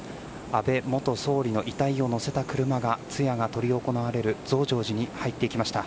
安倍元総理の遺体を乗せた車が通夜が執り行われる増上寺に入ってきました。